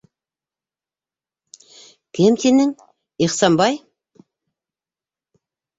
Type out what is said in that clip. Кем тинең, Ихсанбай?